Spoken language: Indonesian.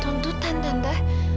tuntutan apa tante